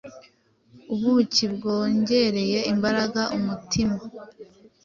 ubuki bwongerera imbaraga umutima